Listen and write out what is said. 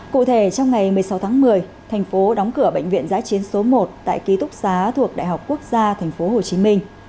cụ thể trong ngày một mươi sáu tháng một mươi thành phố đóng cửa bệnh viện giã chiến số một tại ký túc xá thuộc đại học quốc gia tp hcm